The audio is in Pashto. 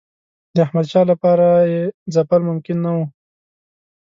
د احمدشاه لپاره یې ځپل ممکن نه وو.